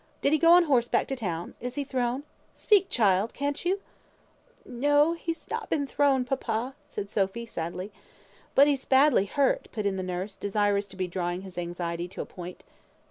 Did he go on horseback to town? Is he thrown? Speak, child, can't you?" "No! he's not been thrown, papa," said Sophy, sadly. "But he's badly hurt," put in the nurse, desirous to be drawing his anxiety to a point.